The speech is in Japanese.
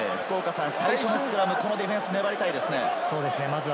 最初のスクラム、ディフェンスは粘りたいですね。